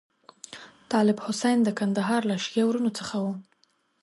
طالب حسین د کندهار له شیعه وروڼو څخه وو.